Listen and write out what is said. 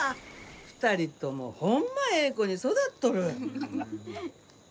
２人ともホンマええ子に育っとる。